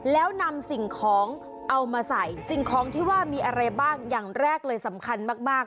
แล้วนำสิ่งของเอามาใส่สิ่งของที่ว่ามีอะไรบ้างอย่างแรกเลยสำคัญมากมาก